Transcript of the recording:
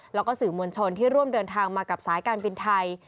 แล้วก็สื่อมวลชนที่ร่วมเดินทางมากับสายการบินไทย